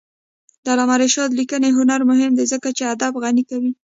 د علامه رشاد لیکنی هنر مهم دی ځکه چې ادب غني کوي.